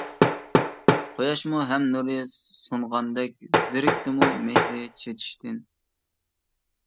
قۇياشمۇ ھەم نۇرى سۇنغاندەك، زېرىكتىمۇ مېھرى چېچىشتىن.